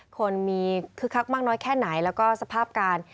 คนมีคึกคักมากน้อยแค่ไหนแล้วก็สภาพการ